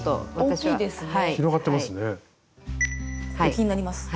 気になります。